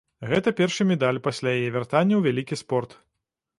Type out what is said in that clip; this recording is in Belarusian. Гэта першы медаль пасля яе вяртання ў вялікі спорт.